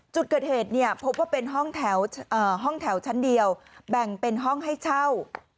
จุดเกิดเหตุเนี่ยพบว่าเป็นห้องแถวชั้นเดียวแบ่งเป็นห้องให้เช่า